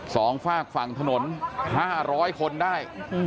สองฝากฝั่งถนน๕๐๐คนได้